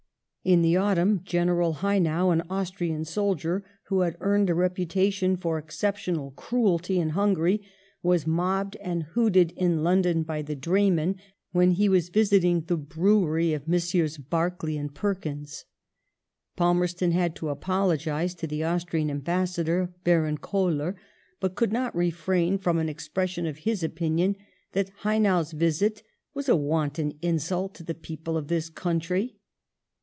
In the autumn Greneral Haynau, an Austrian soldier who had earned a reputation for exceptional cruelty in Hungary, was mobbed and hooted in London by the draymen when he was visiting the brewery of Messi s. Barclay and Perkins. Palmerston had to apologize to the Austrian Ambassador, Baron Koller, but could not refrain from an expression of his opinion that Haynau's visit was " a wanton insult to the people of this country